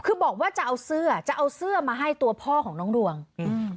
คือบอกว่าจะเอาเสื้อจะเอาเสื้อมาให้ตัวพ่อของน้องดวงอืม